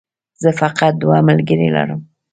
زه فقط دوه ملګري لرم